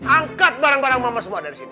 angkat barang barang mama semua dari sini